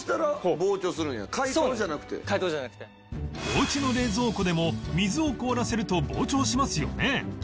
おうちの冷蔵庫でも水を凍らせると膨張しますよね